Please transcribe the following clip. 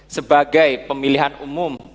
sebagai pemilihan umum